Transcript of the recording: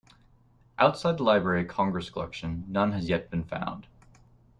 Outside the Library of Congress collection, none has yet been found.